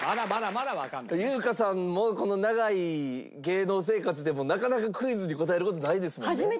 優香さんもこの長い芸能生活でもなかなかクイズに答える事ないですもんね。